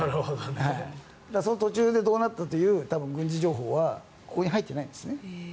だから、その途中でどうなったという軍事情報はここに入っていないんですね。